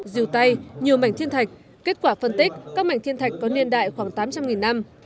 dìu tay nhiều mảnh thiên thạch kết quả phân tích các mảnh thiên thạch có niên đại khoảng tám trăm linh năm